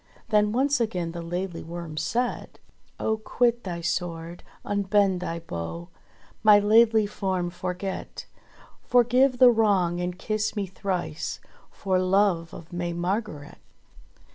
Then once again the Laidly Worm said : *'0h quit thy sword, unbend thy bow, My laidly form forget. Forgive the wrong and kiss me thrice For love of May Margret."